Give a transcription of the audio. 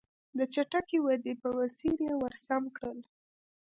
د چټکې ودې په مسیر یې ور سم کړل.